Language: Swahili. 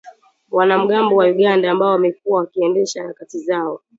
wanamgambo wa Uganda ambao wamekuwa wakiendesha harakati zao